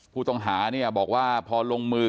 ผู้ต้องหาเนี่ยบอกว่าพอลงมือ